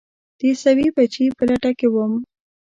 د عیسوي بچي په لټه کې وم.